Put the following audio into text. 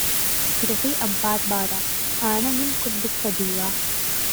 Кыракый ампаар баара, аана ньим курдук сабыылаах